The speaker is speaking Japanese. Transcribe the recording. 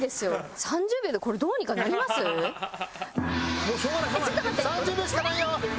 ３０秒しかないよ！